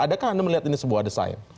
adakah anda melihat ini sebuah desain